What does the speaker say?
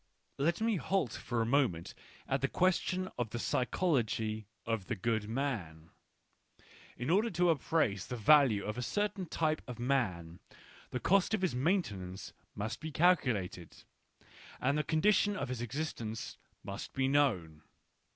Let me halt for a moment at the question of the Digitized by Google WHY I AM A FATALITY 1 35 psychology of the good man. In order to appraise the value of a certain type of man, the cost of his maintenance must be calculated, — and the condi tions of his existence must be known.